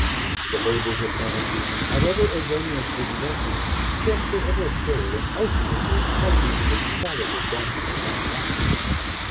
The labours of men of genius, however erroneously directed, scarcely ever fail in ultimately turning to the solid advantage of mankind."